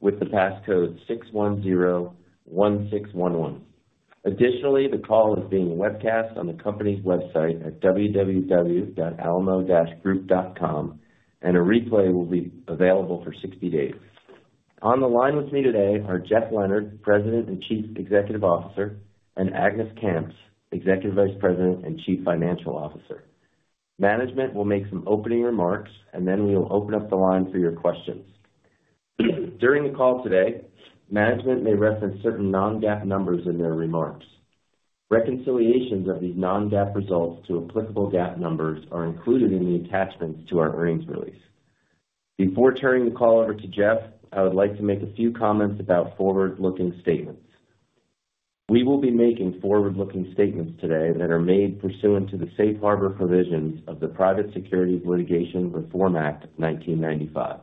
On the line with me today are Jeff Leonard, President and Chief Executive Officer, and Agnes Kamps, Executive Vice President and Chief Financial Officer. Management will make some opening remarks, and then we will open up the line for your questions. During the call today, management may reference certain non-GAAP numbers in their remarks. Reconciliations of these non-GAAP results to applicable GAAP numbers are included in the attachments to our earnings release. Before turning the call over to Jeff, I would like to make a few comments about forward-looking statements. We will be making forward-looking statements today that are made pursuant to the safe harbor provisions of the Private Securities Litigation Reform Act of 1995.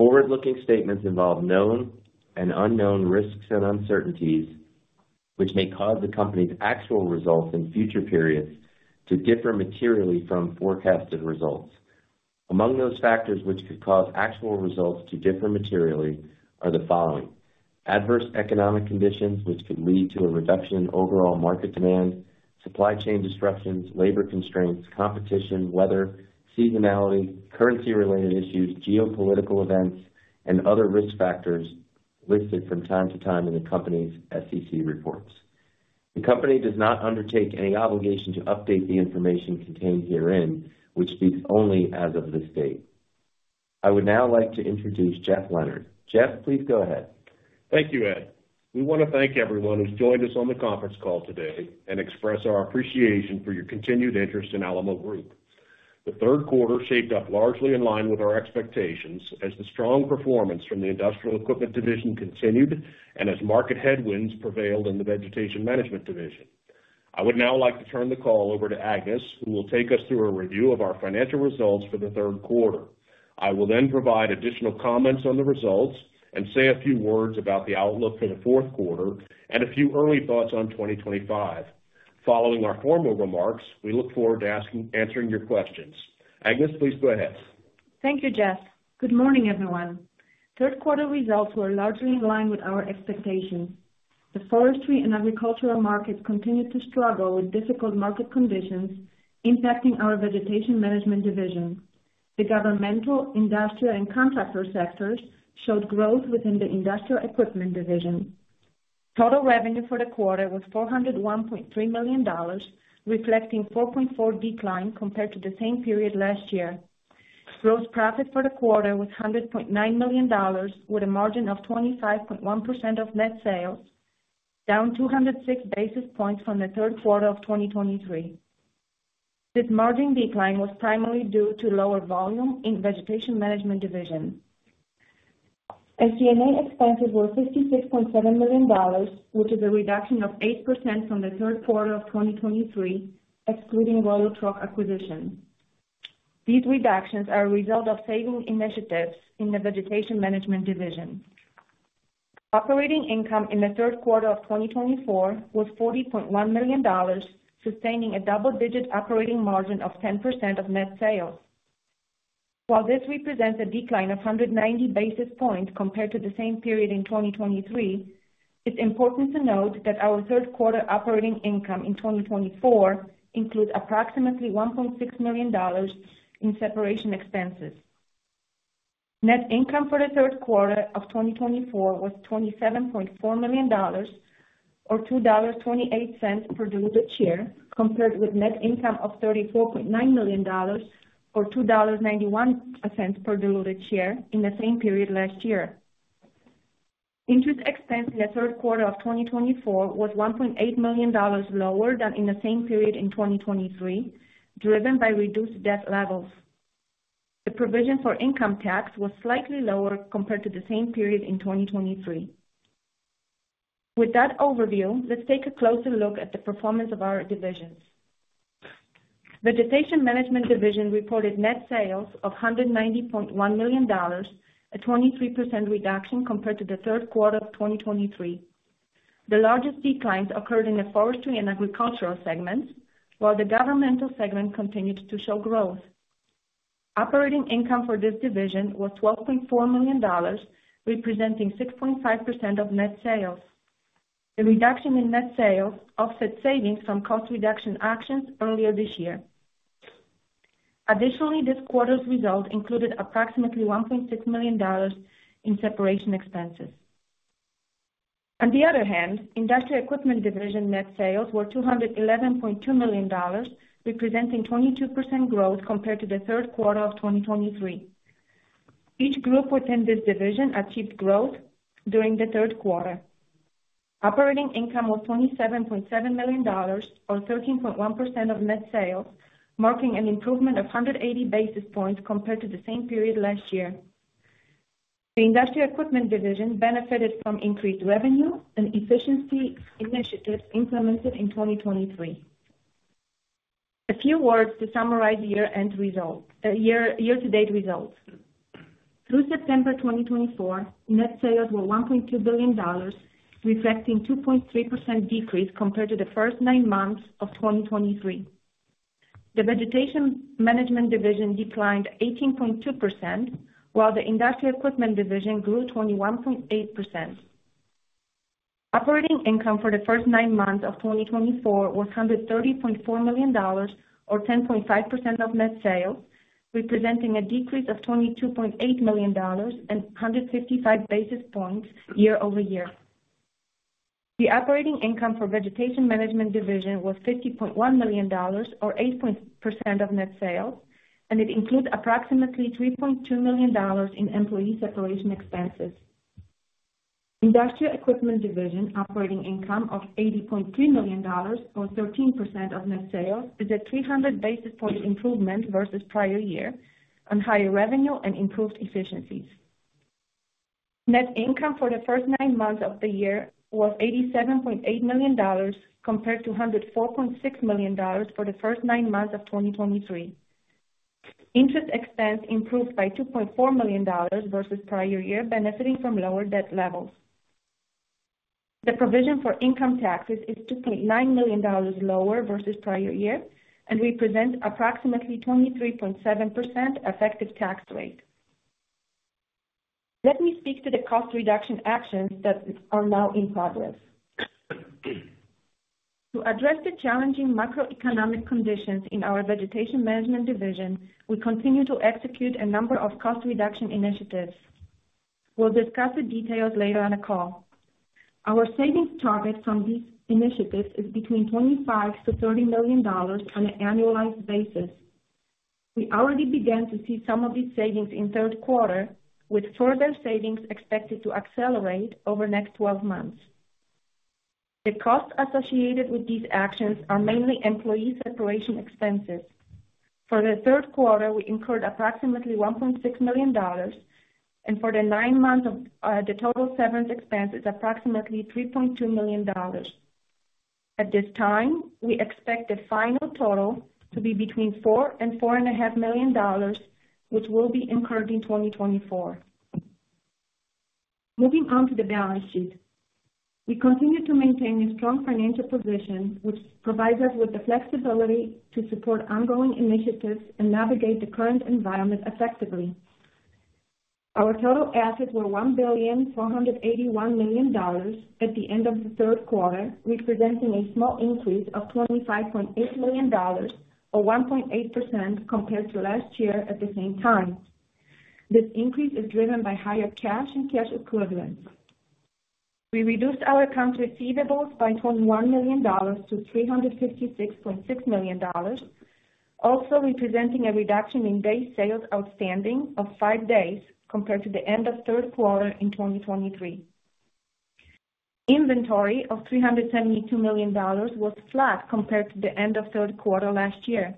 Forward-looking statements involve known and unknown risks and uncertainties, which may cause the company's actual results in future periods to differ materially from forecasted results. Among those factors which could cause actual results to differ materially are the following: adverse economic conditions, which could lead to a reduction in overall market demand, supply chain disruptions, labor constraints, competition, weather, seasonality, currency-related issues, geopolitical events, and other risk factors listed from time to time in the company's SEC reports. The company does not undertake any obligation to update the information contained herein, which speaks only as of this date. I would now like to introduce Jeff Leonard. Jeff, please go ahead. Thank you, Ed. We want to thank everyone who's joined us on the conference call today and express our appreciation for your continued interest in Alamo Group. The third quarter shaped up largely in line with our expectations as the strong performance from the Industrial Equipment Division continued and as market headwinds prevailed in the Vegetation Management Division. I would now like to turn the call over to Agnes, who will take us through a review of our financial results for the third quarter. I will then provide additional comments on the results and say a few words about the outlook for the fourth quarter and a few early thoughts on 2025. Following our formal remarks, we look forward to answering your questions. Agnes, please go ahead. Thank you, Jeff. Good morning, everyone. Third quarter results were largely in line with our expectations. The forestry and agricultural markets continued to struggle with difficult market conditions impacting our Vegetation Management Division. The governmental, Industrial, and contractor sectors showed growth within the Industrial Equipment Division. Total revenue for the quarter was $401.3 million, reflecting a 4.4% decline compared to the same period last year. Gross profit for the quarter was $100.9 million, with a margin of 25.1% of net sales, down 206 basis points from the third quarter of 2023. This margin decline was primarily due to lower volume in the Vegetation Management Division. SG&A expenses were $56.7 million, which is a reduction of 8% from the third quarter of 2023, excluding Royal Truck acquisition. These reductions are a result of savings initiatives in the Vegetation Management Division. Operating income in the third quarter of 2024 was $40.1 million, sustaining a double-digit operating margin of 10% of net sales. While this represents a decline of 190 basis points compared to the same period in 2023, it's important to note that our third quarter operating income in 2024 includes approximately $1.6 million in separation expenses. Net income for the third quarter of 2024 was $27.4 million, or $2.28 per diluted share, compared with net income of $34.9 million, or $2.91 per diluted share in the same period last year. Interest expense in the third quarter of 2024 was $1.8 million lower than in the same period in 2023, driven by reduced debt levels. The provision for income tax was slightly lower compared to the same period in 2023. With that overview, let's take a closer look at the performance of our divisions. The Vegetation Management Division reported net sales of $190.1 million, a 23% reduction compared to the third quarter of 2023. The largest declines occurred in the forestry and agricultural segments, while the governmental segment continued to show growth. Operating income for this division was $12.4 million, representing 6.5% of net sales. The reduction in net sales offset savings from cost reduction actions earlier this year. Additionally, this quarter's result included approximately $1.6 million in separation expenses. On the other hand, the Industrial Equipment Division net sales were $211.2 million, representing 22% growth compared to the third quarter of 2023. Each group within this division achieved growth during the third quarter. Operating income was $27.7 million, or 13.1% of net sales, marking an improvement of 180 basis points compared to the same period last year. The Industrial Equipment Division benefited from increased revenue and efficiency initiatives implemented in 2023. A few words to summarize year-to-date results. Through September 2024, net sales were $1.2 billion, reflecting a 2.3% decrease compared to the first nine months of 2023. The Vegetation Management Division declined 18.2%, while the Industrial Equipment Division grew 21.8%. Operating income for the first nine months of 2024 was $130.4 million, or 10.5% of net sales, representing a decrease of $22.8 million and 155 basis points year-over-year. The operating income for the Vegetation Management Division was $50.1 million, or 8.5% of net sales, and it includes approximately $3.2 million in employee separation expenses. The Industrial Equipment Division operating income of $80.3 million, or 13% of net sales, is a 300 basis point improvement versus the prior year on higher revenue and improved efficiencies. Net income for the first nine months of the year was $87.8 million compared to $104.6 million for the first nine months of 2023. Interest expense improved by $2.4 million versus the prior year, benefiting from lower debt levels. The provision for income taxes is $2.9 million lower versus the prior year and represents approximately a 23.7% effective tax rate. Let me speak to the cost reduction actions that are now in progress. To address the challenging macroeconomic conditions in our Vegetation Management Division, we continue to execute a number of cost reduction initiatives. We'll discuss the details later on the call. Our savings target from these initiatives is between $25 million-$30 million on an annualized basis. We already began to see some of these savings in the third quarter, with further savings expected to accelerate over the next 12 months. The costs associated with these actions are mainly employee separation expenses. For the third quarter, we incurred approximately $1.6 million, and for the nine months of the total severance expenses, approximately $3.2 million. At this time, we expect the final total to be between $4 and $4.5 million, which will be incurred in 2024. Moving on to the balance sheet, we continue to maintain a strong financial position, which provides us with the flexibility to support ongoing initiatives and navigate the current environment effectively. Our total assets were $1,481 million at the end of the third quarter, representing a small increase of $25.8 million, or 1.8% compared to last year at the same time. This increase is driven by higher cash and cash equivalents. We reduced our accounts receivables by $21 million to $356.6 million, also representing a reduction in days sales outstanding of five days compared to the end of the third quarter in 2023. Inventory of $372 million was flat compared to the end of the third quarter last year.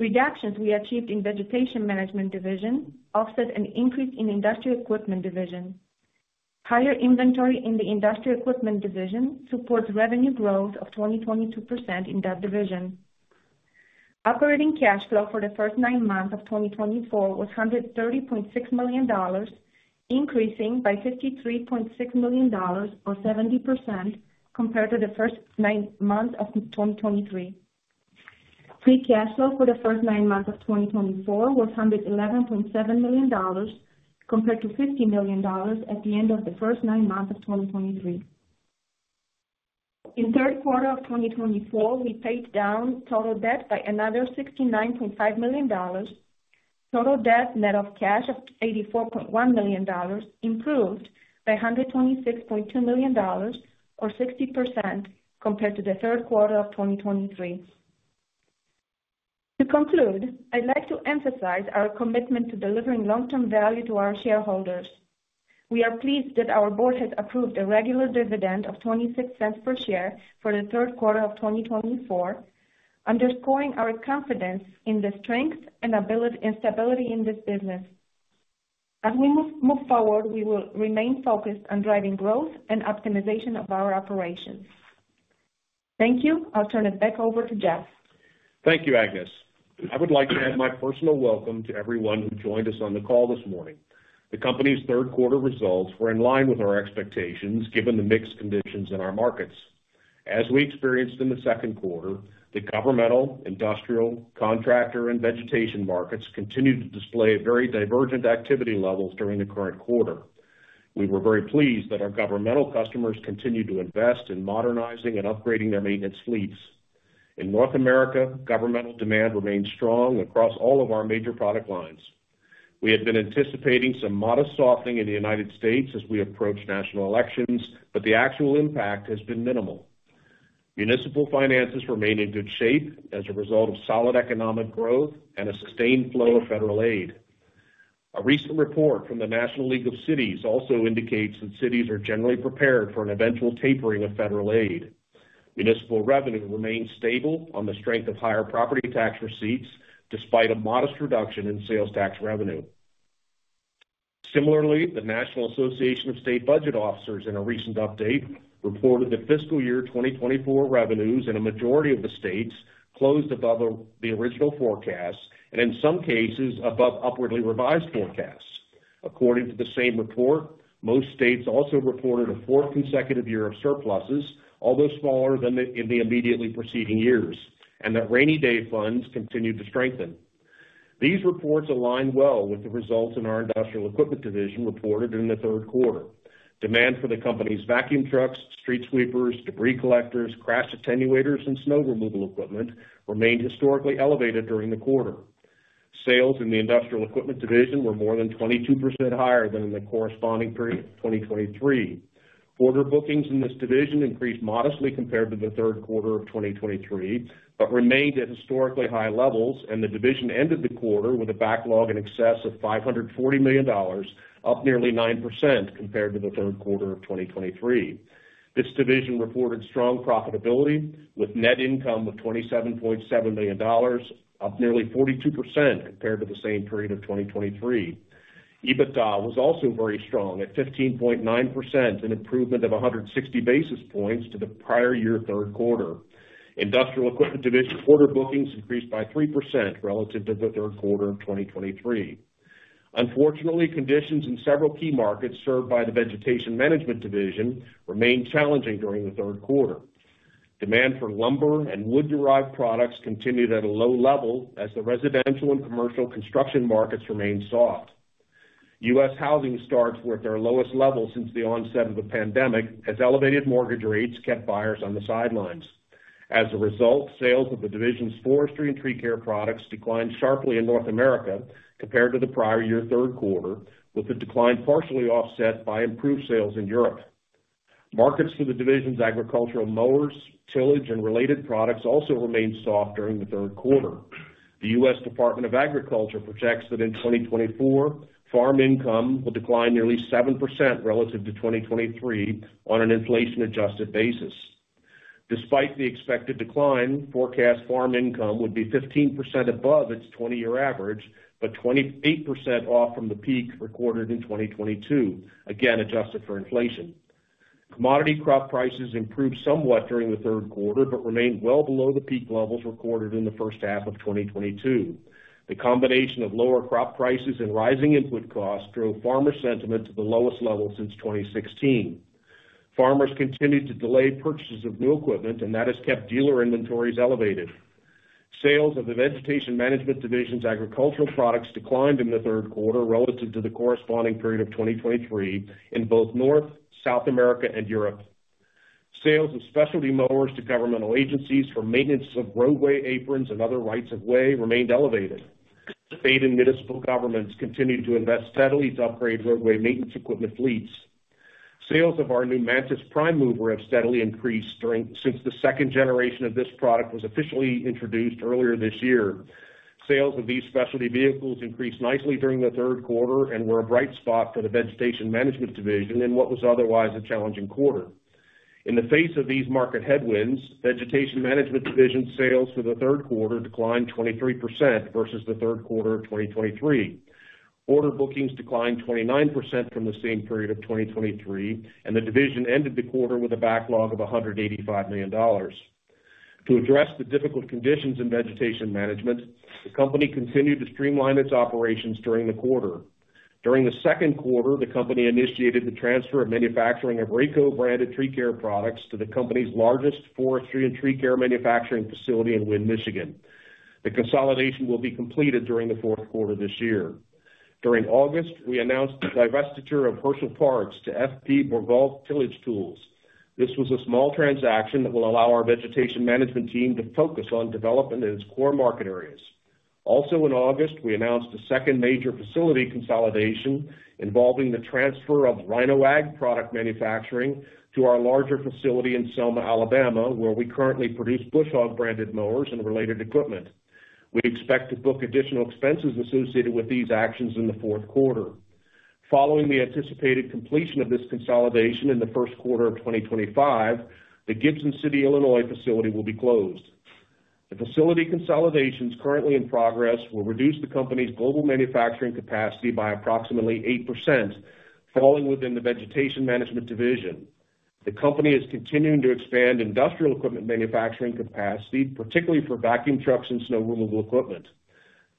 Reductions we achieved in the Vegetation Management Division offset an increase in the Industrial Equipment Division. Higher inventory in the Industrial Equipment Division supports revenue growth of 20.2% in that division. Operating cash flow for the first nine months of 2024 was $130.6 million, increasing by $53.6 million, or 70%, compared to the first nine months of 2023. Free cash flow for the first nine months of 2024 was $111.7 million compared to $50 million at the end of the first nine months of 2023. In the third quarter of 2024, we paid down total debt by another $69.5 million. Total debt net of cash of $84.1 million improved by $126.2 million, or 60%, compared to the third quarter of 2023. To conclude, I'd like to emphasize our commitment to delivering long-term value to our shareholders. We are pleased that our board has approved a regular dividend of $0.26 per share for the third quarter of 2024, underscoring our confidence in the strength and stability in this business. As we move forward, we will remain focused on driving growth and optimization of our operations. Thank you. I'll turn it back over to Jeff. Thank you, Agnes. I would like to add my personal welcome to everyone who joined us on the call this morning. The company's third quarter results were in line with our expectations given the mixed conditions in our markets. As we experienced in the second quarter, the governmental, industrial, contractor, and vegetation markets continued to display very divergent activity levels during the current quarter. We were very pleased that our governmental customers continued to invest in modernizing and upgrading their maintenance fleets. In North America, governmental demand remained strong across all of our major product lines. We had been anticipating some modest softening in the United States as we approached national elections, but the actual impact has been minimal. Municipal finances remain in good shape as a result of solid economic growth and a sustained flow of federal aid. A recent report from the National League of Cities also indicates that cities are generally prepared for an eventual tapering of federal aid. Municipal revenue remains stable on the strength of higher property tax receipts despite a modest reduction in sales tax revenue. Similarly, the National Association of State Budget Officers, in a recent update, reported that fiscal year 2024 revenues in a majority of the states closed above the original forecasts and, in some cases, above upwardly revised forecasts. According to the same report, most states also reported a fourth consecutive year of surpluses, although smaller than in the immediately preceding years, and that rainy day funds continued to strengthen. These reports align well with the results in our Industrial Equipment Division reported in the third quarter. Demand for the company's vacuum trucks, street sweepers, debris collectors, crash attenuators, and snow removal equipment remained historically elevated during the quarter. Sales in the Industrial Equipment Division were more than 22% higher than in the corresponding period of 2023. Order bookings in this division increased modestly compared to the third quarter of 2023 but remained at historically high levels, and the division ended the quarter with a backlog in excess of $540 million, up nearly 9% compared to the third quarter of 2023. This division reported strong profitability with net income of $27.7 million, up nearly 42% compared to the same period of 2023. EBITDA was also very strong at 15.9%, an improvement of 160 basis points to the prior year third quarter. Industrial Equipment Division order bookings increased by 3% relative to the third quarter of 2023. Unfortunately, conditions in several key markets served by the Vegetation Management Division remained challenging during the third quarter. Demand for lumber and wood-derived products continued at a low level as the residential and commercial construction markets remained soft. U.S. housing starts were at their lowest level since the onset of the pandemic as elevated mortgage rates kept buyers on the sidelines. As a result, sales of the division's forestry and tree care products declined sharply in North America compared to the prior year third quarter, with the decline partially offset by improved sales in Europe. Markets for the division's agricultural mowers, tillage, and related products also remained soft during the third quarter. The U.S. Department of Agriculture projects that in 2024, farm income will decline nearly 7% relative to 2023 on an inflation-adjusted basis. Despite the expected decline, forecast farm income would be 15% above its 20-year average but 28% off from the peak recorded in 2022, again adjusted for inflation. Commodity crop prices improved somewhat during the third quarter but remained well below the peak levels recorded in the first half of 2022. The combination of lower crop prices and rising input costs drove farmer sentiment to the lowest level since 2016. Farmers continued to delay purchases of new equipment, and that has kept dealer inventories elevated. Sales of the Vegetation Management Division's agricultural products declined in the third quarter relative to the corresponding period of 2023 in both North America, South America, and Europe. Sales of specialty mowers to governmental agencies for maintenance of roadway aprons and other rights of way remained elevated. State and municipal governments continued to invest steadily to upgrade roadway maintenance equipment fleets. Sales of our new Mantis prime mover have steadily increased since the second generation of this product was officially introduced earlier this year. Sales of these specialty vehicles increased nicely during the third quarter and were a bright spot for the Vegetation Management Division in what was otherwise a challenging quarter. In the face of these market headwinds, Vegetation Management Division sales for the third quarter declined 23% versus the third quarter of 2023. Order bookings declined 29% from the same period of 2023, and the division ended the quarter with a backlog of $185 million. To address the difficult conditions in vegetation management, the company continued to streamline its operations during the quarter. During the second quarter, the company initiated the transfer of manufacturing of Rayco-branded tree care products to the company's largest forestry and tree care manufacturing facility in Winn, Michigan. The consolidation will be completed during the fourth quarter this year. During August, we announced the divestiture of Herschel Parts to F.P. Bourgault Tillage Tools. This was a small transaction that will allow our Vegetation Management Team to focus on development in its core market areas. Also, in August, we announced a second major facility consolidation involving the transfer of RhinoAg product manufacturing to our larger facility in Selma, Alabama, where we currently produce Bush Hog-branded mowers and related equipment. We expect to book additional expenses associated with these actions in the fourth quarter. Following the anticipated completion of this consolidation in the first quarter of 2025, the Gibson City, Illinois, facility will be closed. The facility consolidations currently in progress will reduce the company's global manufacturing capacity by approximately 8%, falling within the Vegetation Management Division. The company is continuing to expand industrial equipment manufacturing capacity, particularly for vacuum trucks and snow removal equipment.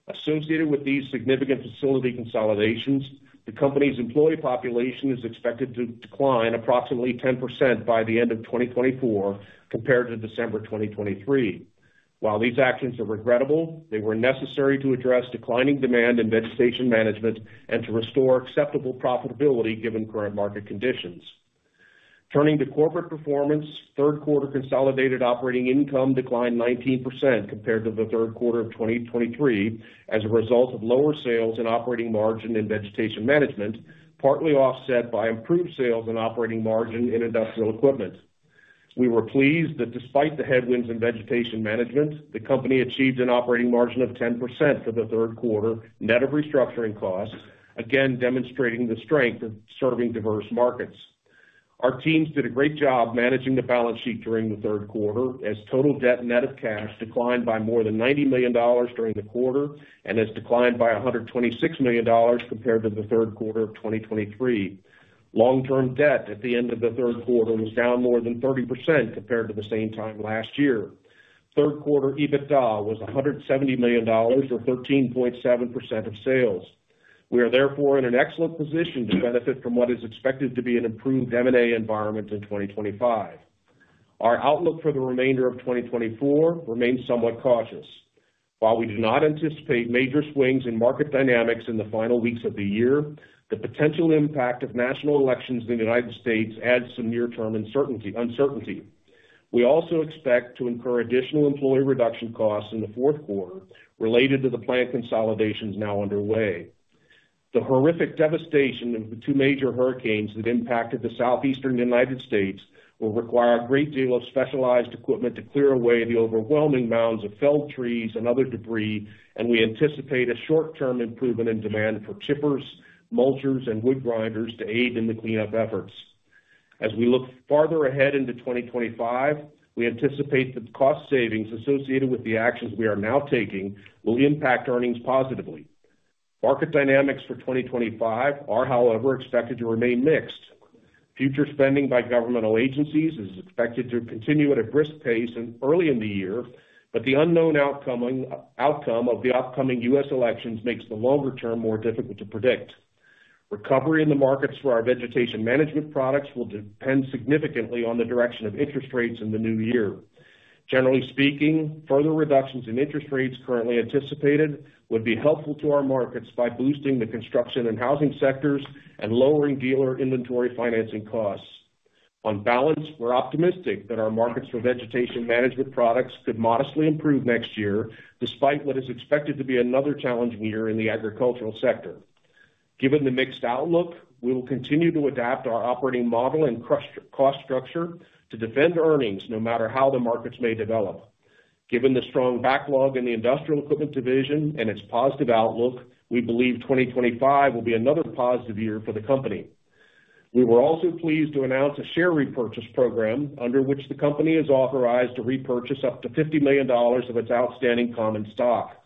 Associated with these significant facility consolidations, the company's employee population is expected to decline approximately 10% by the end of 2024 compared to December 2023. While these actions are regrettable, they were necessary to address declining demand in vegetation management and to restore acceptable profitability given current market conditions. Turning to corporate performance, third quarter consolidated operating income declined 19% compared to the third quarter of 2023 as a result of lower sales and operating margin in vegetation management, partly offset by improved sales and operating margin in industrial equipment. We were pleased that despite the headwinds in vegetation management, the company achieved an operating margin of 10% for the third quarter net of restructuring costs, again demonstrating the strength of serving diverse markets. Our teams did a great job managing the balance sheet during the third quarter as total debt net of cash declined by more than $90 million during the quarter and has declined by $126 million compared to the third quarter of 2023. Long-term debt at the end of the third quarter was down more than 30% compared to the same time last year. Third quarter EBITDA was $170 million or 13.7% of sales. We are therefore in an excellent position to benefit from what is expected to be an improved M&A environment in 2025. Our outlook for the remainder of 2024 remains somewhat cautious. While we do not anticipate major swings in market dynamics in the final weeks of the year, the potential impact of national elections in the United States adds some near-term uncertainty. We also expect to incur additional employee reduction costs in the fourth quarter related to the planned consolidations now underway. The horrific devastation of the two major hurricanes that impacted the southeastern United States will require a great deal of specialized equipment to clear away the overwhelming mounds of felled trees and other debris, and we anticipate a short-term improvement in demand for chippers, mulchers, and wood grinders to aid in the cleanup efforts. As we look farther ahead into 2025, we anticipate that the cost savings associated with the actions we are now taking will impact earnings positively. Market dynamics for 2025 are, however, expected to remain mixed. Future spending by governmental agencies is expected to continue at a brisk pace early in the year, but the unknown outcome of the upcoming U.S. elections makes the longer term more difficult to predict. Recovery in the markets for our vegetation management products will depend significantly on the direction of interest rates in the new year. Generally speaking, further reductions in interest rates currently anticipated would be helpful to our markets by boosting the construction and housing sectors and lowering dealer inventory financing costs. On balance, we're optimistic that our markets for vegetation management products could modestly improve next year despite what is expected to be another challenging year in the agricultural sector. Given the mixed outlook, we will continue to adapt our operating model and cost structure to defend earnings no matter how the markets may develop. Given the strong backlog in the Industrial Equipment Division and its positive outlook, we believe 2025 will be another positive year for the company. We were also pleased to announce a share repurchase program under which the company is authorized to repurchase up to $50 million of its outstanding common stock.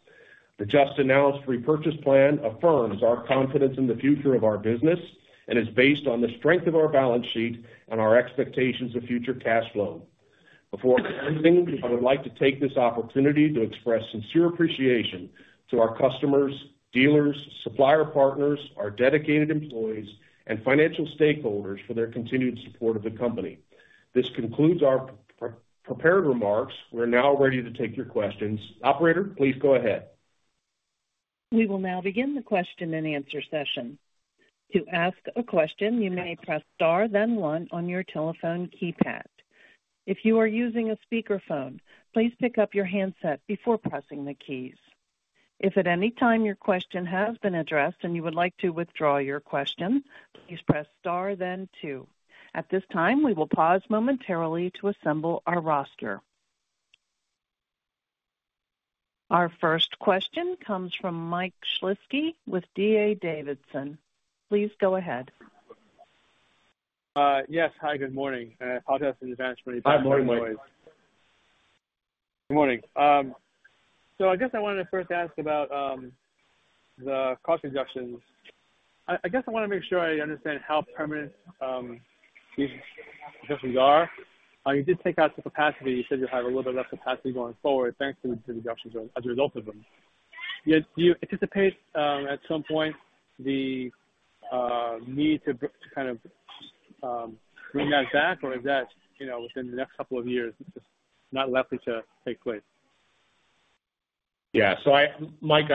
The just announced repurchase plan affirms our confidence in the future of our business and is based on the strength of our balance sheet and our expectations of future cash flow. Before closing, I would like to take this opportunity to express sincere appreciation to our customers, dealers, supplier partners, our dedicated employees, and financial stakeholders for their continued support of the company. This concludes our prepared remarks. We're now ready to take your questions. Operator, please go ahead. We will now begin the question-and-answer session. To ask a question, you may press star, then one on your telephone keypad. If you are using a speakerphone, please pick up your handset before pressing the keys. If at any time your question has been addressed and you would like to withdraw your question, please press star, then two. At this time, we will pause momentarily to assemble our roster. Our first question comes from Mike Shlisky with D.A. Davidson. Please go ahead. Yes. Hi, good morning. I apologize in advance for any bad noise. Hi, morning, Mike. Good morning. So I guess I wanted to first ask about the cost reductions. I guess I want to make sure I understand how permanent these reductions are. You did take out some capacity. You said you'll have a little bit less capacity going forward thanks to the reductions as a result of them. Do you anticipate at some point the need to kind of bring that back, or is that within the next couple of years just not likely to take place? Yeah. Mike,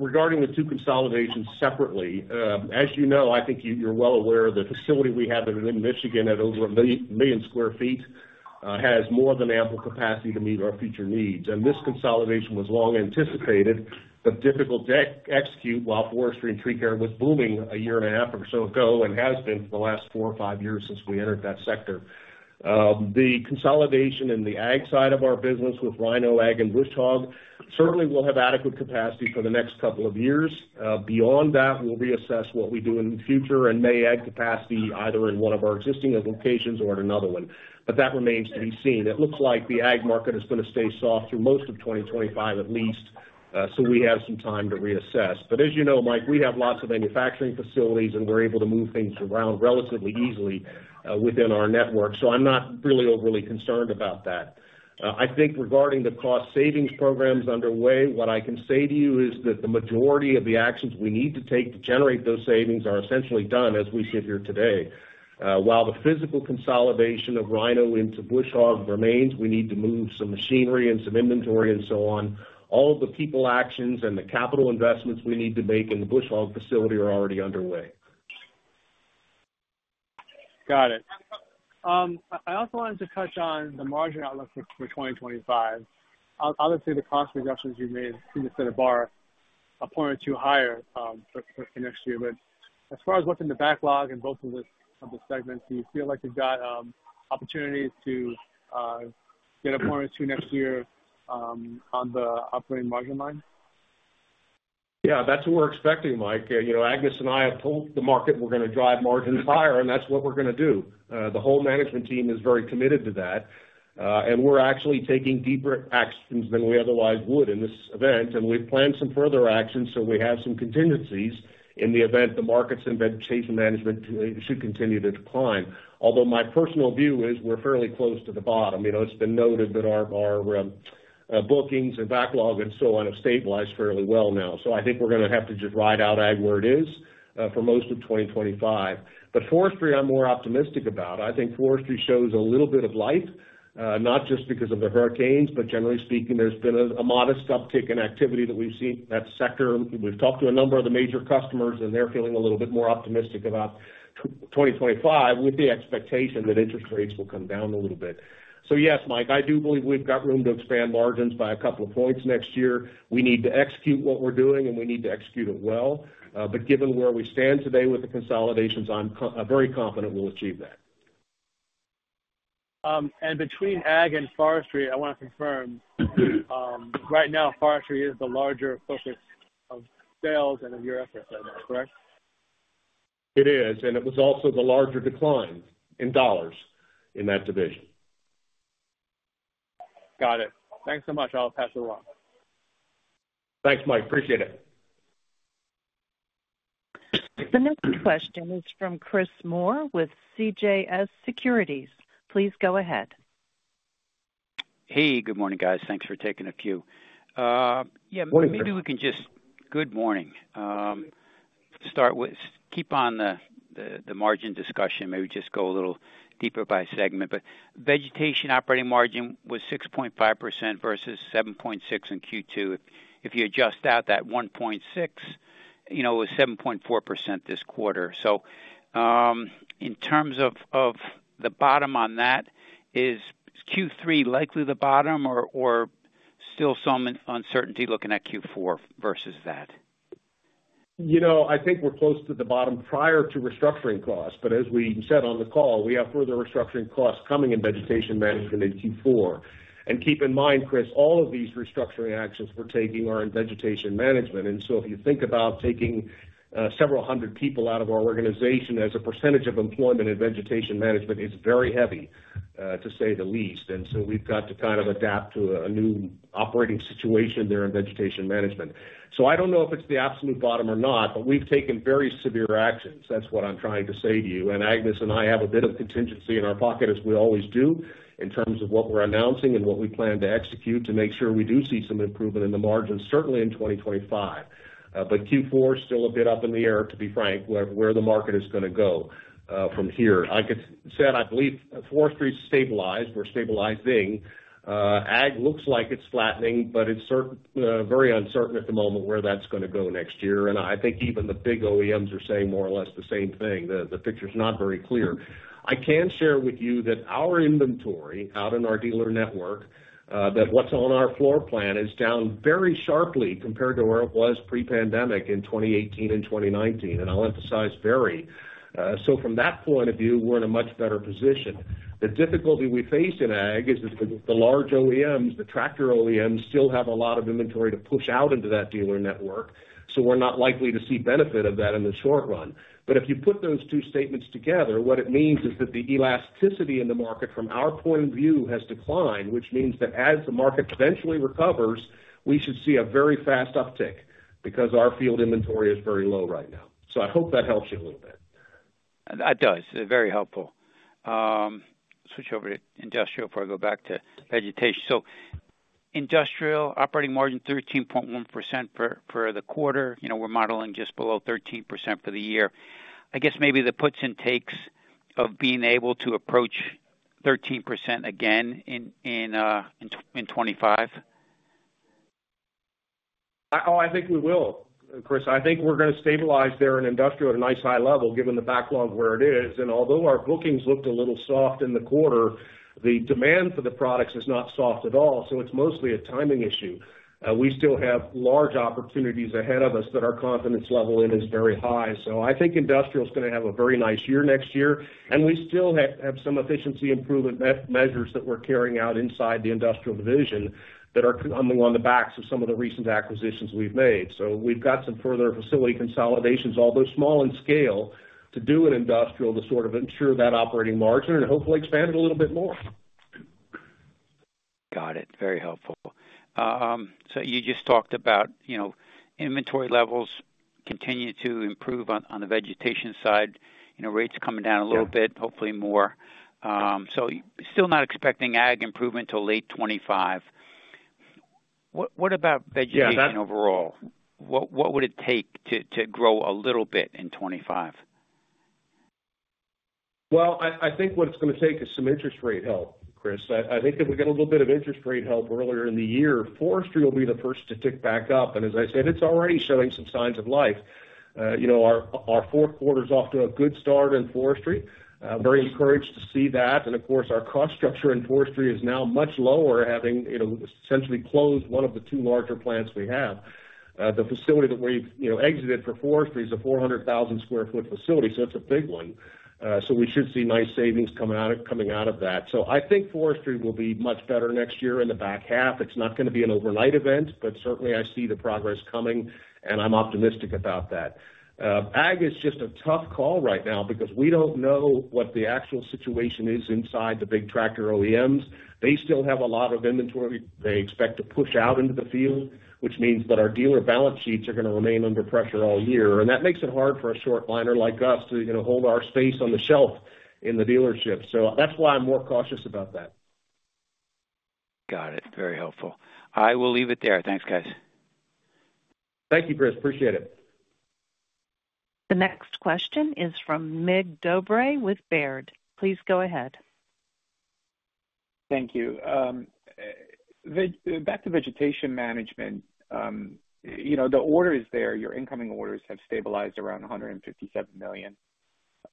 regarding the two consolidations separately, as you know, I think you're well aware of the facility we have in Michigan at over 1 million sq ft has more than ample capacity to meet our future needs. This consolidation was long anticipated, but difficult to execute while forestry and tree care was booming a year and a half or so ago and has been for the last four or five years since we entered that sector. The consolidation in the ag side of our business with RhinoAg and Bush Hog certainly will have adequate capacity for the next couple of years. Beyond that, we'll reassess what we do in the future and may add capacity either in one of our existing locations or another one. But that remains to be seen. It looks like the ag market is going to stay soft through most of 2025 at least, so we have some time to reassess. But as you know, Mike, we have lots of manufacturing facilities, and we're able to move things around relatively easily within our network, so I'm not really overly concerned about that. I think regarding the cost savings programs underway, what I can say to you is that the majority of the actions we need to take to generate those savings are essentially done as we sit here today. While the physical consolidation of Rhino into Bush Hog remains, we need to move some machinery and some inventory and so on. All of the people actions and the capital investments we need to make in the Bush Hog facility are already underway. Got it. I also wanted to touch on the margin outlook for 2025. Obviously, the cost reductions you've made seem to set a bar a point or two higher for next year. But as far as what's in the backlog in both of the segments, do you feel like you've got opportunities to get a point or two next year on the operating margin line? Yeah, that's what we're expecting, Mike. Agnes and I have told the market we're going to drive margins higher, and that's what we're going to do. The whole management team is very committed to that, and we're actually taking deeper actions than we otherwise would in this event. And we've planned some further actions so we have some contingencies in the event the markets in vegetation management should continue to decline. Although my personal view is we're fairly close to the bottom. It's been noted that our bookings and backlog and so on have stabilized fairly well now. So I think we're going to have to just ride out ag where it is for most of 2025. But forestry, I'm more optimistic about. I think forestry shows a little bit of light, not just because of the hurricanes, but generally speaking, there's been a modest uptick in activity that we've seen in that sector. We've talked to a number of the major customers, and they're feeling a little bit more optimistic about 2025 with the expectation that interest rates will come down a little bit. So yes, Mike, I do believe we've got room to expand margins by a couple of points next year. We need to execute what we're doing, and we need to execute it well. But given where we stand today with the consolidations, I'm very confident we'll achieve that. And between ag and forestry, I want to confirm right now forestry is the larger focus of sales and of your efforts right now, correct? It is. And it was also the larger decline in dollars in that division. Got it. Thanks so much. I'll pass it along. Thanks, Mike. Appreciate it. The next question is from Chris Moore with CJS Securities. Please go ahead. Hey, good morning, guys. Thanks for taking a few. Yeah, maybe we can just good morning. Keep on the margin discussion. Maybe just go a little deeper by segment. But vegetation operating margin was 6.5% versus 7.6% in Q2. If you adjust out that 1.6%, it was 7.4% this quarter. So in terms of the bottom on that, is Q3 likely the bottom or still some uncertainty looking at Q4 versus that? I think we're close to the bottom prior to restructuring costs. But as we said on the call, we have further restructuring costs coming in Vegetation Management in Q4. And keep in mind, Chris, all of these restructuring actions we're taking are in Vegetation Management. And so if you think about taking several hundred people out of our organization, as a percentage of employment in Vegetation Management is very heavy, to say the least. And so we've got to kind of adapt to a new operating situation there in Vegetation Management. So I don't know if it's the absolute bottom or not, but we've taken very severe actions. That's what I'm trying to say to you. And Agnes and I have a bit of contingency in our pocket, as we always do, in terms of what we're announcing and what we plan to execute to make sure we do see some improvement in the margins, certainly in 2025. But Q4 is still a bit up in the air, to be frank, where the market is going to go from here. Like I said, I believe forestry is stabilized. We're stabilizing. Ag looks like it's flattening, but it's very uncertain at the moment where that's going to go next year. And I think even the big OEMs are saying more or less the same thing. The picture is not very clear. I can share with you that our inventory out in our dealer network, that what's on our floor plan is down very sharply compared to where it was pre-pandemic in 2018 and 2019. And I'll emphasize very. So from that point of view, we're in a much better position. The difficulty we face in ag is that the large OEMs, the tractor OEMs, still have a lot of inventory to push out into that dealer network. So we're not likely to see benefit of that in the short run. But if you put those two statements together, what it means is that the elasticity in the market from our point of view has declined, which means that as the market eventually recovers, we should see a very fast uptick because our field inventory is very low right now. So I hope that helps you a little bit. That does. Very helpful. Switch over to industrial before I go back to vegetation. So industrial operating margin 13.1% for the quarter. We're modeling just below 13% for the year. I guess maybe the puts and takes of being able to approach 13% again in 2025? Oh, I think we will, Chris. I think we're going to stabilize there in industrial at a nice high level given the backlog where it is. Although our bookings looked a little soft in the quarter, the demand for the products is not soft at all. So it's mostly a timing issue. We still have large opportunities ahead of us that our confidence level in is very high. So I think industrial is going to have a very nice year next year. And we still have some efficiency improvement measures that we're carrying out inside the industrial division that are coming on the backs of some of the recent acquisitions we've made. So we've got some further facility consolidations, although small in scale, to do in industrial to sort of ensure that operating margin and hopefully expand it a little bit more. Got it. Very helpful. So you just talked about inventory levels continuing to improve on the vegetation side. Rates coming down a little bit, hopefully more. Still not expecting ag improvement until late 2025. What about vegetation overall? What would it take to grow a little bit in 2025? I think what it's going to take is some interest rate help, Chris. I think if we get a little bit of interest rate help earlier in the year, forestry will be the first to tick back up. And as I said, it's already showing some signs of life. Our fourth quarter is off to a good start in forestry. I'm very encouraged to see that. And of course, our cost structure in forestry is now much lower, having essentially closed one of the two larger plants we have. The facility that we exited for forestry is a 400,000 sq ft facility, so it's a big one. So we should see nice savings coming out of that. So I think forestry will be much better next year in the back half. It's not going to be an overnight event, but certainly I see the progress coming, and I'm optimistic about that. Ag is just a tough call right now because we don't know what the actual situation is inside the big tractor OEMs. They still have a lot of inventory. They expect to push out into the field, which means that our dealer balance sheets are going to remain under pressure all year. And that makes it hard for a short liner like us to hold our space on the shelf in the dealership. So that's why I'm more cautious about that. Got it. Very helpful. I will leave it there. Thanks, guys. Thank you, Chris. Appreciate it. The next question is from Mig Dobre with Baird. Please go ahead. Thank you. Back to vegetation management. The orders there, your incoming orders have stabilized around $157 million.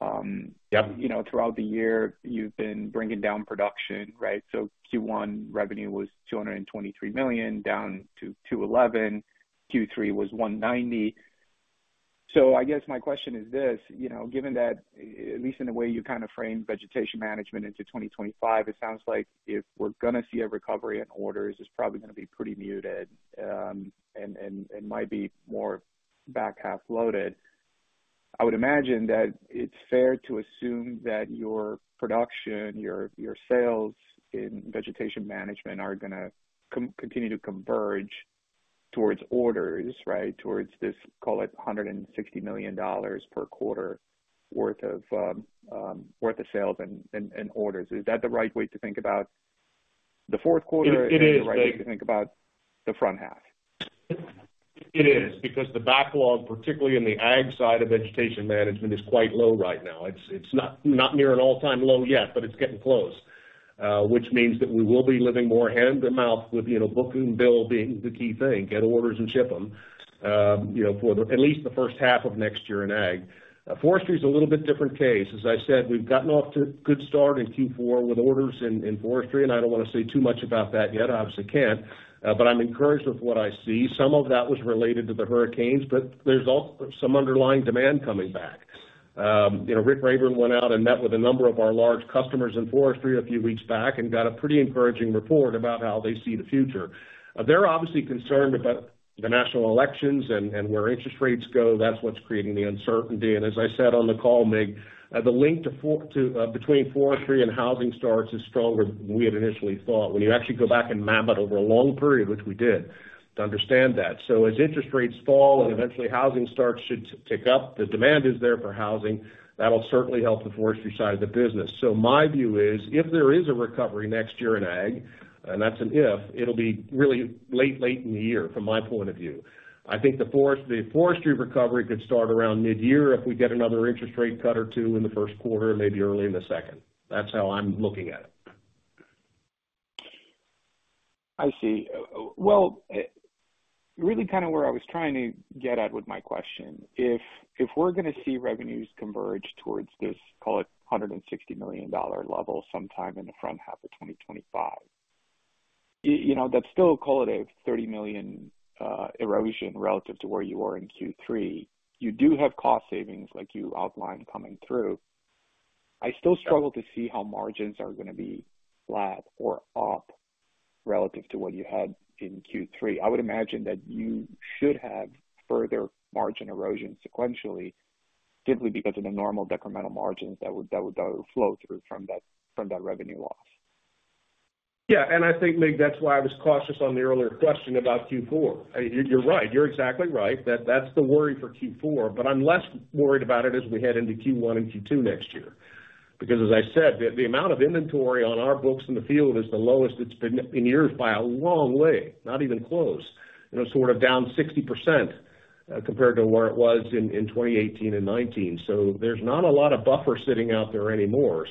Throughout the year, you've been bringing down production, right? So Q1 revenue was $223 million, down to $211 million. Q3 was $190 million. So I guess my question is this. Given that, at least in the way you kind of framed vegetation management into 2025, it sounds like if we're going to see a recovery in orders, it's probably going to be pretty muted and might be more back half loaded. I would imagine that it's fair to assume that your production, your sales in vegetation management are going to continue to converge towards orders, right? Towards this, call it $160 million per quarter worth of sales and orders. Is that the right way to think about the fourth quarter? Is it the right way to think about the front half? It is because the backlog, particularly in the ag side of vegetation management, is quite low right now. It's not near an all-time low yet, but it's getting close, which means that we will be living more hand-to-mouth with book-to-bill being the key thing. Get orders and ship them for at least the first half of next year in ag. Forestry is a little bit different case. As I said, we've gotten off to a good start in Q4 with orders in forestry. And I don't want to say too much about that yet. I obviously can't. But I'm encouraged with what I see. Some of that was related to the hurricanes, but there's also some underlying demand coming back. Rick Wehrle went out and met with a number of our large customers in forestry a few weeks back and got a pretty encouraging report about how they see the future. They're obviously concerned about the national elections, and where interest rates go. That's what's creating the uncertainty. As I said on the call, Mig, the link between forestry and housing starts is stronger than we had initially thought. When you actually go back and map it over a long period, which we did, to understand that. So as interest rates fall and eventually housing starts to tick up, the demand is there for housing. That'll certainly help the forestry side of the business. So my view is if there is a recovery next year in ag, and that's an if, it'll be really late, late in the year from my point of view. I think the forestry recovery could start around mid-year if we get another interest rate cut or two in the first quarter and maybe early in the second. That's how I'm looking at it. I see. Well, really kind of where I was trying to get at with my question. If we're going to see revenues converge towards this, call it $160 million level sometime in the front half of 2025, that's still, call it a $30 million erosion relative to where you are in Q3. You do have cost savings like you outlined coming through. I still struggle to see how margins are going to be flat or up relative to what you had in Q3. I would imagine that you should have further margin erosion sequentially, simply because of the normal decremental margins that would flow through from that revenue loss. Yeah. I think, Mig, that's why I was cautious on the earlier question about Q4. You're right. You're exactly right. That's the worry for Q4. I'm less worried about it as we head into Q1 and Q2 next year. Because as I said, the amount of inventory on our books in the field is the lowest it's been in years by a long way, not even close, sort of down 60% compared to where it was in 2018 and 2019. There's not a lot of buffer sitting out there anymore.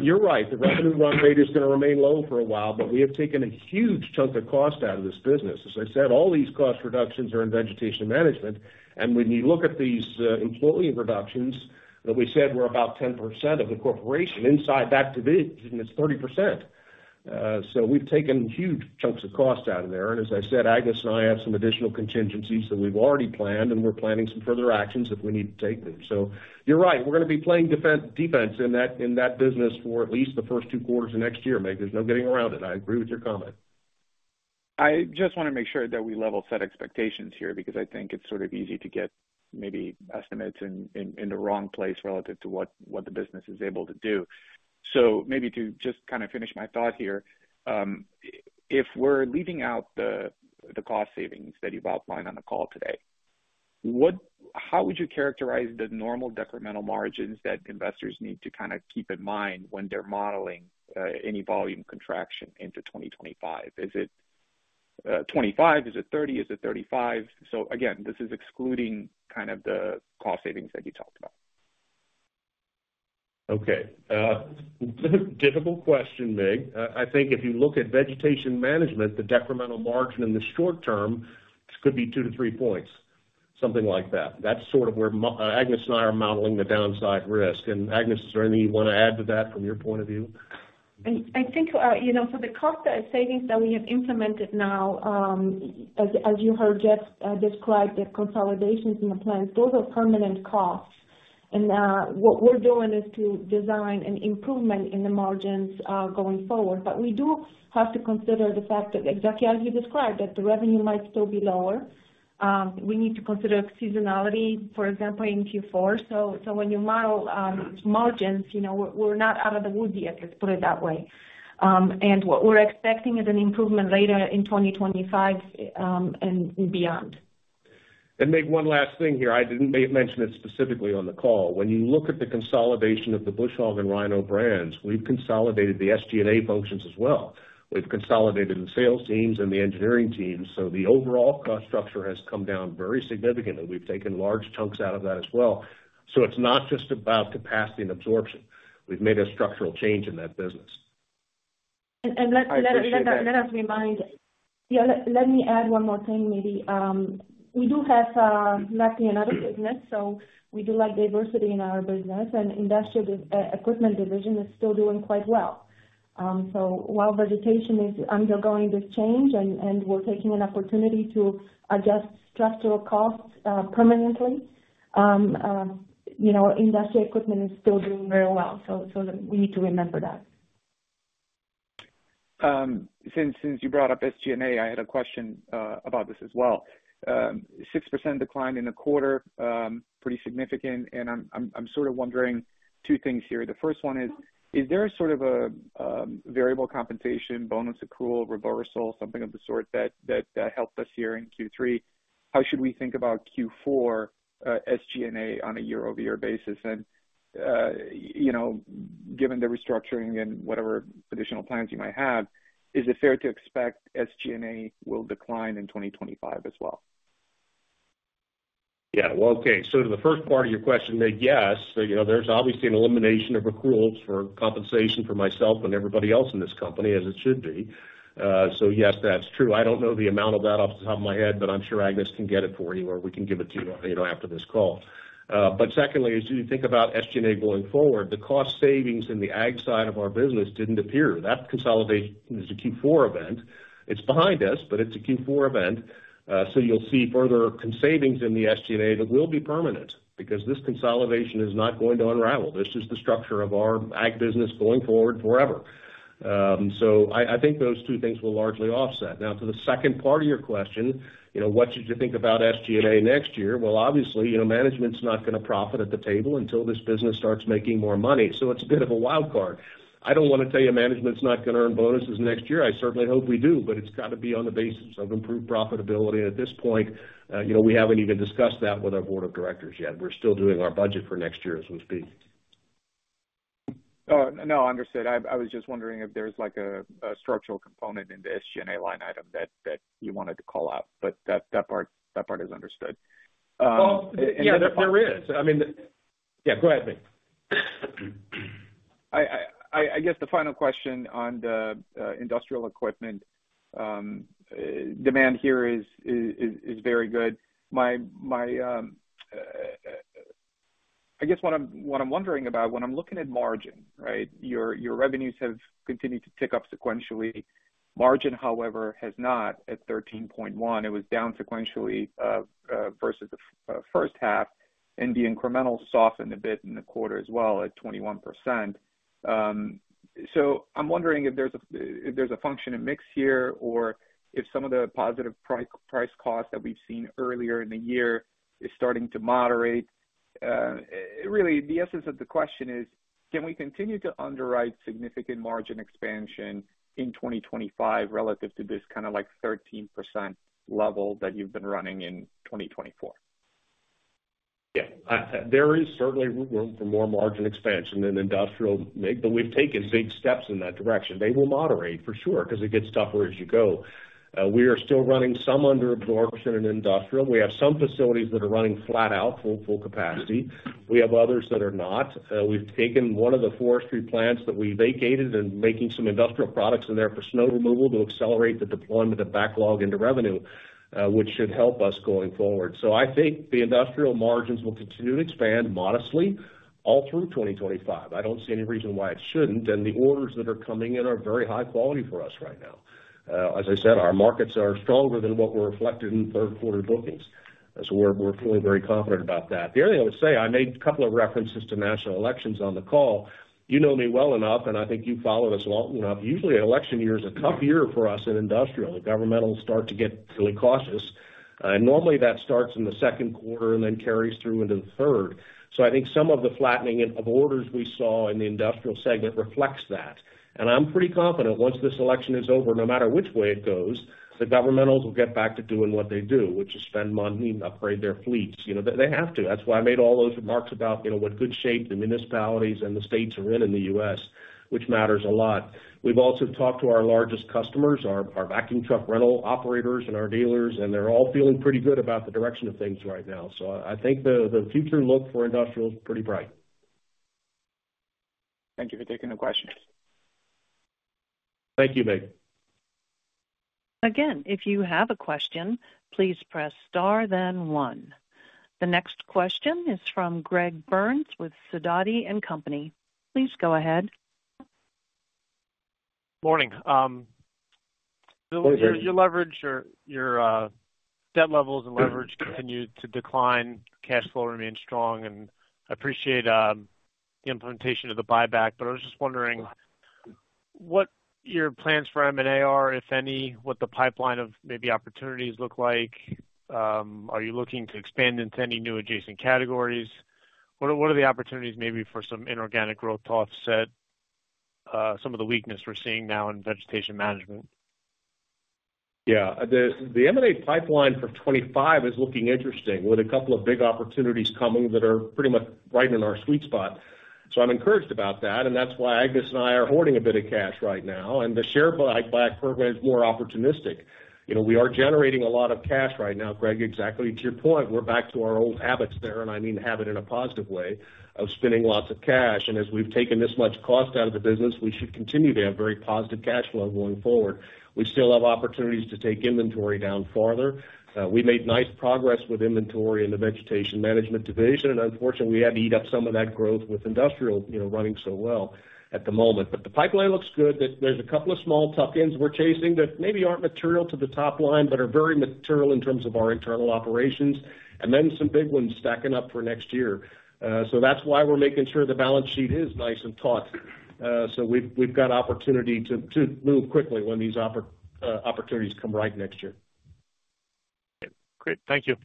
You're right. The revenue run rate is going to remain low for a while, but we have taken a huge chunk of cost out of this business. As I said, all these cost reductions are in vegetation management. And when you look at these employee reductions that we said were about 10% of the corporation inside that division, it's 30%. So we've taken huge chunks of cost out of there. And as I said, Agnes and I have some additional contingencies that we've already planned, and we're planning some further actions if we need to take them. So you're right. We're going to be playing defense in that business for at least the first two quarters of next year, Mig. There's no getting around it. I agree with your comment. I just want to make sure that we level set expectations here because I think it's sort of easy to get maybe estimates in the wrong place relative to what the business is able to do. So maybe to just kind of finish my thought here, if we're leaving out the cost savings that you've outlined on the call today, how would you characterize the normal decremental margins that investors need to kind of keep in mind when they're modeling any volume contraction into 2025? Is it 25%? Is it 30%? Is it 35%? So again, this is excluding kind of the cost savings that you talked about. Okay. Difficult question, Mig. I think if you look at vegetation management, the decremental margin in the short term, this could be two to three points, something like that. That's sort of where Agnes and I are modeling the downside risk. And Agnes, is there anything you want to add to that from your point of view? I think for the cost savings that we have implemented now, as you heard Jeff describe the consolidations in the plants, those are permanent costs, and what we're doing is to design an improvement in the margins going forward. But we do have to consider the fact that exactly as you described, that the revenue might still be lower. We need to consider seasonality, for example, in Q4, so when you model margins, we're not out of the woods yet, let's put it that way, and we're expecting an improvement later in 2025 and beyond. And Mig, one last thing here. I didn't mention it specifically on the call. When you look at the consolidation of the Bush Hog and RhinoAg brands, we've consolidated the SG&A functions as well. We've consolidated the sales teams and the engineering teams, so the overall cost structure has come down very significantly. We've taken large chunks out of that as well. So it's not just about capacity and absorption. We've made a structural change in that business. And let us remind. Yeah. Let me add one more thing, maybe. We do have Latvia as a business, so we do like diversity in our business. And the Industrial Equipment Division is still doing quite well. So while vegetation is undergoing this change and we're taking an opportunity to adjust structural costs permanently, industrial equipment is still doing very well. So we need to remember that. Since you brought up SG&A, I had a question about this as well. 6% decline in a quarter, pretty significant. And I'm sort of wondering two things here. The first one is, is there sort of a variable compensation, bonus accrual, reversal, something of the sort that helped us here in Q3? How should we think about Q4 SG&A on a year-over-year basis? And given the restructuring and whatever additional plans you might have, is it fair to expect SG&A will decline in 2025 as well? Yeah. Well, okay. So to the first part of your question, Mig, yes. There's obviously an elimination of accruals for compensation for myself and everybody else in this company, as it should be. So yes, that's true. I don't know the amount of that off the top of my head, but I'm sure Agnes can get it for you or we can give it to you after this call. But secondly, as you think about SG&A going forward, the cost savings in the ag side of our business didn't appear. That consolidation is a Q4 event. It's behind us, but it's a Q4 event. So you'll see further savings in the SG&A that will be permanent because this consolidation is not going to unravel. This is the structure of our ag business going forward forever. So I think those two things will largely offset. Now, to the second part of your question, what should you think about SG&A next year? Well, obviously, management's not going to profit at the table until this business starts making more money. So it's a bit of a wild card. I don't want to tell you management's not going to earn bonuses next year. I certainly hope we do, but it's got to be on the basis of improved profitability. And at this point, we haven't even discussed that with our board of directors yet. We're still doing our budget for next year as we speak. No, understood. I was just wondering if there's a structural component in the SG&A line item that you wanted to call out, but that part is understood. Well, there is. I mean, yeah, go ahead, Mig. I guess the final question on the industrial equipment demand here is very good. I guess what I'm wondering about, when I'm looking at margin, right, your revenues have continued to tick up sequentially. Margin, however, has not at 13.1%. It was down sequentially versus the first half, and the incremental softened a bit in the quarter as well at 21%. So I'm wondering if there's a function in mix here or if some of the positive price costs that we've seen earlier in the year is starting to moderate. Really, the essence of the question is, can we continue to underwrite significant margin expansion in 2025 relative to this kind of 13% level that you've been running in 2024? Yeah. There is certainly room for more margin expansion in industrial, Mig, but we've taken big steps in that direction. They will moderate, for sure, because it gets tougher as you go. We are still running some under absorption in industrial. We have some facilities that are running flat out full capacity. We have others that are not. We've taken one of the forestry plants that we vacated and making some industrial products in there for snow removal to accelerate the deployment of backlog into revenue, which should help us going forward. So I think the industrial margins will continue to expand modestly all through 2025. I don't see any reason why it shouldn't. And the orders that are coming in are very high quality for us right now. As I said, our markets are stronger than what were reflected in third quarter bookings. So we're feeling very confident about that. The other thing I would say, I made a couple of references to national elections on the call. You know me well enough, and I think you've followed us long enough. Usually, election year is a tough year for us in industrial. The governmental start to get really cautious. And normally, that starts in the second quarter and then carries through into the third. So I think some of the flattening of orders we saw in the industrial segment reflects that. And I'm pretty confident once this election is over, no matter which way it goes, the governmentals will get back to doing what they do, which is spend money and upgrade their fleets. They have to. That's why I made all those remarks about what good shape the municipalities and the states are in in the U.S., which matters a lot. We've also talked to our largest customers, our vacuum truck rental operators and our dealers, and they're all feeling pretty good about the direction of things right now. So I think the future look for industrial is pretty bright. Thank you for taking the question. Thank you, Mig. Again, if you have a question, please press star, then one. The next question is from Greg Burns with Sidoti & Company. Please go ahead. Morning. Your leverage or your debt levels and leverage continue to decline. Cash flow remains strong, and I appreciate the implementation of the buyback, but I was just wondering what your plans for M&A are, if any, what the pipeline of maybe opportunities look like. Are you looking to expand into any new adjacent categories? What are the opportunities maybe for some inorganic growth to offset some of the weakness we're seeing now in vegetation management? Yeah. The M&A pipeline for 2025 is looking interesting with a couple of big opportunities coming that are pretty much right in our sweet spot. So I'm encouraged about that. And that's why Agnes and I are hoarding a bit of cash right now. And the share buyback program is more opportunistic. We are generating a lot of cash right now, Greg, exactly to your point. We're back to our old habits there. And I mean habit in a positive way of spending lots of cash. And as we've taken this much cost out of the business, we should continue to have very positive cash flow going forward. We still have opportunities to take inventory down farther. We made nice progress with inventory in the Vegetation Management Division. And unfortunately, we had to eat up some of that growth with industrial running so well at the moment. But the pipeline looks good. There's a couple of small tuck-ins we're chasing that maybe aren't material to the top line, but are very material in terms of our internal operations. And then some big ones stacking up for next year. So that's why we're making sure the balance sheet is nice and taut. So we've got opportunity to move quickly when these opportunities come right next year. Great. Thank you.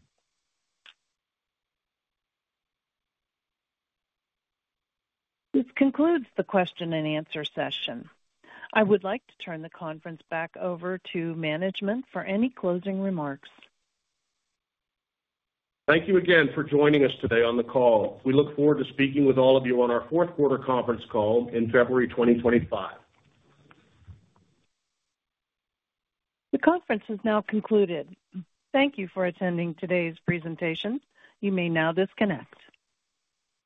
This concludes the question-and-answer session. I would like to turn the conference back over to management for any closing remarks. Thank you again for joining us today on the call. We look forward to speaking with all of you on our fourth quarter conference call in February 2025. The conference is now concluded. Thank you for attending today's presentation. You may now disconnect.